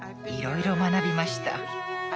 いろいろ学びました。